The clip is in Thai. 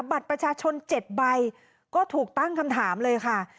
บัตรประชาชน๗ใบก็ถูกตั้งคำถามเลยค่ะ